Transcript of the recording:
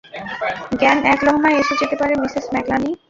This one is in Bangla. জ্ঞান এক লহমায় এসে যেতে পারে মিসেস ম্যাকনালি।